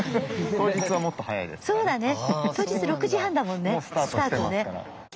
当日６時半だもんねスタートね。